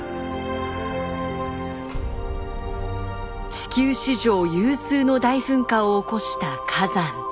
地球史上有数の大噴火を起こした火山。